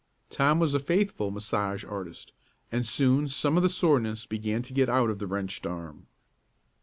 Tom was a faithful massage artist, and soon some of the soreness began to get out of the wrenched arm.